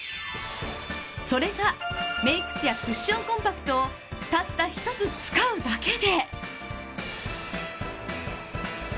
それがメイク艶クッションコンパクトをたった１つ使うだけで。